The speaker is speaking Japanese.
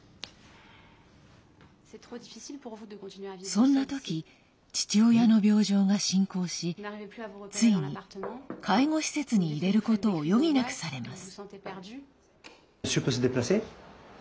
そんな時、父親の病状が進行しついに介護施設に入れることを余儀なくされます。